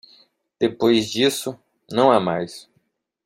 Depois disso, não há mais